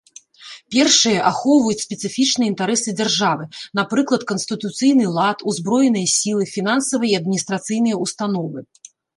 Першыя ахоўваюць спецыфічныя інтарэсы дзяржавы, напрыклад, канстытуцыйны лад, узброеныя сілы, фінансавыя і адміністрацыйныя ўстановы.